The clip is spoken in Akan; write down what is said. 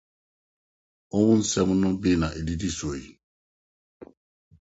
Wɔn nsɛm no bi na edidi so yi.